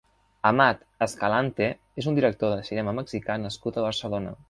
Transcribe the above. Amat Escalante és un director de cinema mexicà nascut a Barcelona.